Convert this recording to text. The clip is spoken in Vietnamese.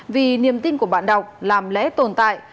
vì niềm tin của bạn đọc làm lẽ tồn tại